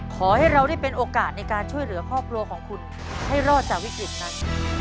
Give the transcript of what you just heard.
ขอให้เราได้เป็นโอกาสในการช่วยเหลือครอบครัวของคุณให้รอดจากวิกฤตนั้น